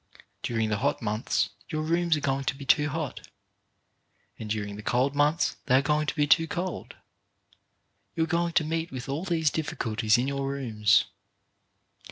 During the hot months your rooms are going to be too hot, and during the cold months they are going to be too cold. You are going to meet with all these difficulties in your rooms.